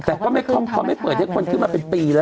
แต่เผาไม่เคยเปิดแต่คนขึ้นมาเป็นปีแล้ว